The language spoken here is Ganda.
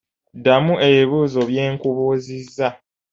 Ddamu ebibuuzo bye nkubuuzizza.